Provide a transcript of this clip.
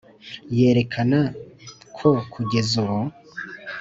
yerekana ko kugeza ubu,